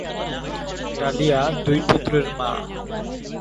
Dahlia দুই পুত্রের মা।